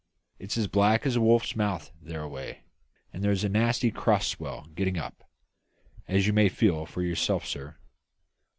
It's as black as a wolf's mouth thereaway; and there is a nasty cross swell getting up, as you may feel for yourself, sir."